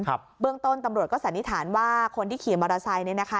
เบื้องต้นตำรวจก็สันนิษฐานว่าคนที่ขี่มอเตอร์ไซค์เนี้ยนะคะ